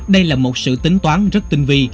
đây là một sự tính toán rất tinh vi